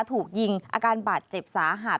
ถูกยิงอาการบาดเจ็บสาหัส